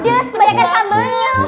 pedas kebanyakan sambalnya